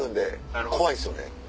怖いんですよね。